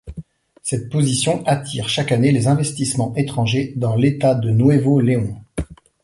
Cette position attire chaque année les investissements étrangers dans l'État de Nuevo Léon.